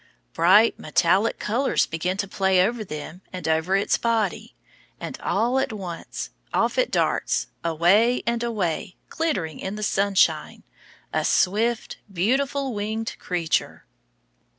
Bright metallic colors begin to play over them and over its body; and all at once off it darts, away and away, glittering in the sunshine, a swift, beautiful winged creature.